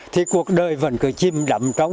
thì cuộc đời vẫn cứ chìm đắm trống